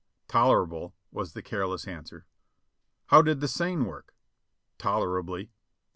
"Tolerable," was the careless answer. "How did the seine work?" "Tolerably."